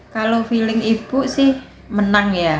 kalau feeling ibu sih menang ya